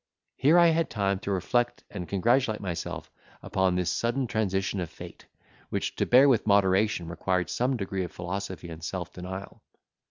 Here I had time to reflect and congratulate myself upon this sudden transition of fate, which to bear with moderation required some degree of philosophy and self denial.